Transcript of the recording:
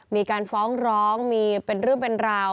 มีการฟ้องร้องมีเป็นเรื่องเป็นราว